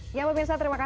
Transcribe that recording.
biarkan insté fatou